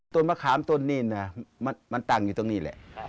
ต้นมะขามต้นนี้นะมันตั้งอยู่ตรงนี้แหละ